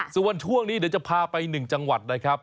ส่วนช่วงนี้เดี๋ยวจะพาไป๑จังหวัดนะครับ